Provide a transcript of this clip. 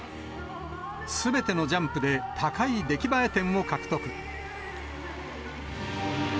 すべてのジャンプで高い出来栄え点を獲得。